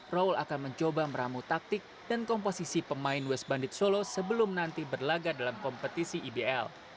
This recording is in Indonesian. raul akan mencoba meramu taktik dan komposisi pemain west bandit solo sebelum nanti berlaga dalam kompetisi ibl